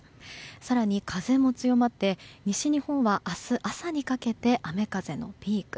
更に風も強まって西日本は明日朝にかけて雨風のピーク。